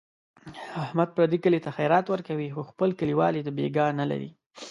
احمد پردي کلي ته خیرات ورکوي، خو خپل کلیوال یې دبیګاه نه لري.